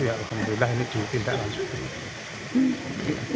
ya alhamdulillah ini di pintaran sungai